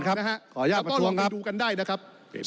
ขออนุญาตไปดูกันได้นะครับ